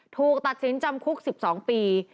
ถูกตัดสินจำคุก๑๒ปี